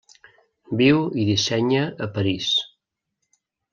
Viu i dissenya a París.